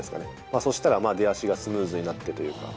そしたら、出足がスムーズになってというか。